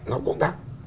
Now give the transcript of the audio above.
nó cũng tăng